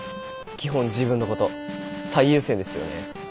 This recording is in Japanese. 基本自分の事最優先ですよね。